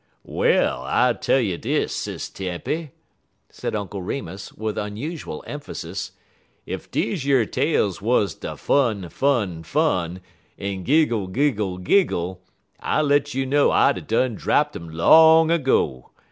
"Well, I tell you dis, Sis Tempy," said Uncle Remus, with unusual emphasis, "ef deze yer tales wuz des fun, fun, fun, en giggle, giggle, giggle, I let you know I'd a done drapt um long ago.